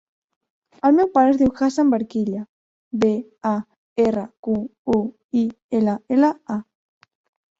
El meu pare es diu Hassan Barquilla: be, a, erra, cu, u, i, ela, ela, a.